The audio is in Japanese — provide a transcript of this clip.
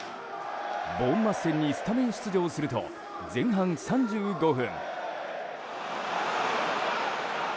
ボーンマス戦にスタメン出場すると前半３５分。